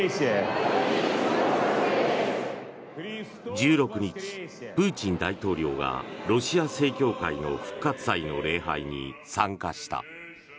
１６日、プーチン大統領がロシア正教会の復活祭の礼拝に参加した。